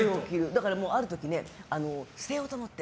だから、ある時捨てようと思って。